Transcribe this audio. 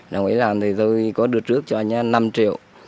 đồng ý làm thì tôi có đưa trước cho anh năm triệu